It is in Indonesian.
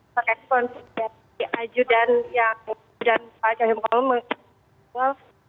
perekonsiden cahayu kumolo mengatakan